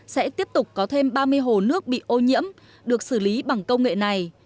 sẽ tiếp tục có thêm ba mươi hồ nước bị ô nhiễm được xử lý bằng công nghệ này